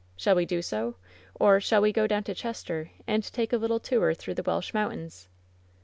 Shall we do so, or shall we go down to Chester and take a little tour through the Welsh moun tains?"